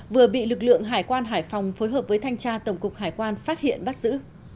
vừa bị lực lượng hải quan hải phòng phối hợp với thanh tra tổng cục hải quan phát hiện bắt giữ